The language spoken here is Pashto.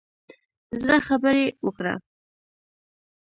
د زړه خبرې وکړه.